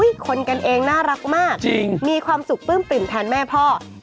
คนกันเองน่ารักมากมีความสุขปลื้มปิ่มแทนแม่พ่อ